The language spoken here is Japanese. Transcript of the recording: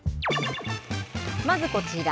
まずこちら。